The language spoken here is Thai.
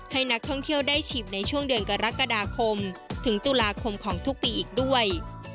ให้นักท่องเที่ยวได้ชิมในช่วงเดือนกรกฎาคมถึงตุลาคมของทุกปีอีกด้วย